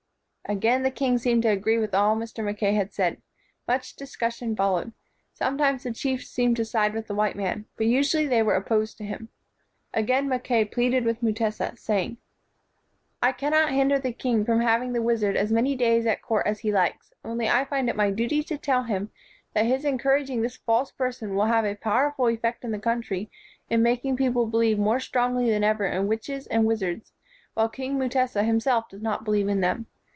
Again the king seemed to agree with all Mr. Mackay had said. Much discussion fol lowed. Sometimes the chiefs seemed to side with the white man, but usually they were opposed to him. Again Mackay pleaded with Mutesa, saying: 127 WHITE MAN OF WORK "I cannot hinder the king from having the wizard as many days at court as he likes, only I find it my duty to tell him that his en couraging this false person will have a pow erful effect in the country in making the peo ple believe more strongly than ever in witches and wizards, while King Mutesa himself does not believe in them.